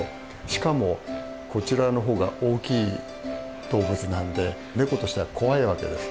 しかもこちらの方が大きい動物なんでネコとしては怖いわけです。